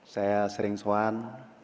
saya sering suan